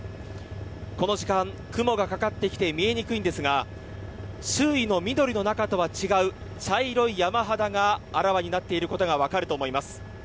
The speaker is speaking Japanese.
この時間、雲がかかってきて見えにくいんですが周囲の緑の中とは違う茶色い山肌があらわになっていることがわかると思います。